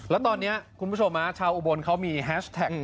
แล้วตอนนี้คุณผู้ชมชาวอุบลเขามีแฮชแท็ก